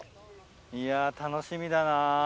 いや楽しみだな。